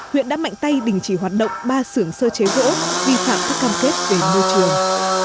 huyện đã mạnh tay đình chỉ hoạt động ba xưởng sơ chế gỗ vi phạm các cam kết về môi trường